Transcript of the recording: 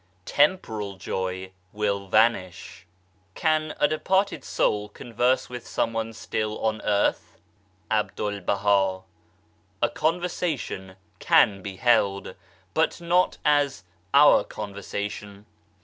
Temporal joy will vanish/' 11 Can a departed soul converse with someone still on earth ?" Abdul Baha. " A conversation can be held, but not as our conversation.